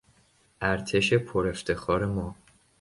ارتش پر افتخار ما